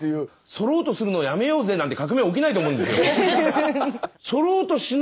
「そろうとするのやめようぜ」なんて革命起きないと思うんですよ。